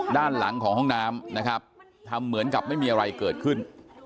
ด้านหลังของห้องน้ำนะครับทำเหมือนกับไม่มีอะไรเกิดขึ้น